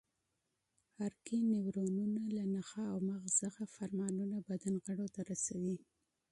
حرکي نیورونونه له نخاع او مغز څخه فرمانونه بدن غړو ته رسوي.